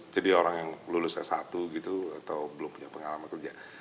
jadi orang yang lulus s satu gitu atau belum punya pengalaman kerja